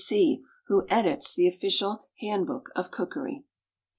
C. C. who edits the "Official Handbook of Cookery."